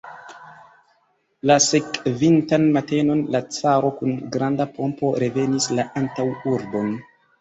La sekvintan matenon la caro kun granda pompo revenis la antaŭurbon.